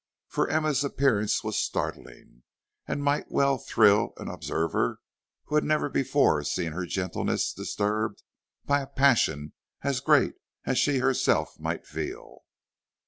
For Emma's appearance was startling, and might well thrill an observer who had never before seen her gentleness disturbed by a passion as great as she herself might feel.